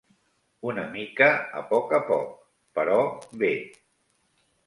Una mica a poc a poc, però bé.